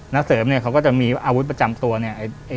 ณเสริมเนี่ยเขาก็จะมีอาวุธประจำตัวเนี่ย